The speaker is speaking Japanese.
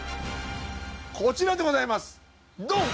こちらでございますドン！